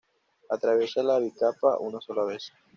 Atraviesa la bicapa una sola vez.